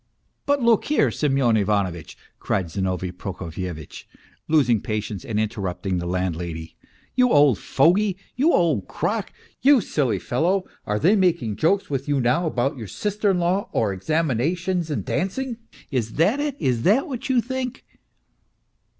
" But look here, Semyon Ivanovitch," cried Zinovy Proko fyevitch, losing patience and interrupting the landlady, " you old fogey, you old crock, you silly fellow are they making jokes with you now about your sister in law or examinations in dancing ? Is that it ? Is that what you think